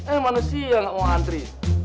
eh manusia gak mau antri